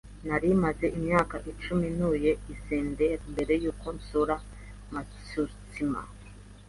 Nari maze imyaka icumi ntuye i Sendai mbere yuko nsura Matsushima.